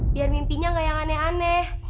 biar mimpinya gak yang aneh aneh